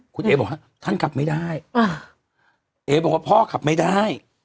คุณเอ๋บอกว่าท่านขับไม่ได้เอ๋บอกว่าพ่อขับไม่ได้